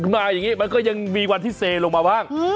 มาอย่างนี้มันก็ยังมีวันที่เซลงมาบ้าง